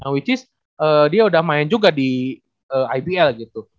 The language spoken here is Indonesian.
which is dia udah main juga di ibl gitu